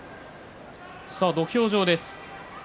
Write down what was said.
土俵上です。